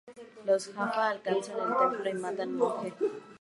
Los Jaffa alcanzan el templo y matan al Monje.